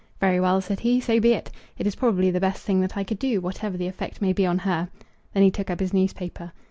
"Very well," said he; "so be it. It is probably the best thing that I could do, whatever the effect may be on her." Then he took up his newspaper.